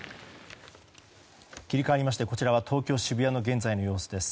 切り替わりまして東京・渋谷の現在の様子です。